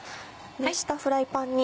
熱したフライパンに。